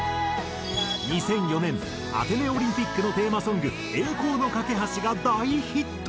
２００４年アテネオリンピックのテーマソング『栄光の架橋』が大ヒット。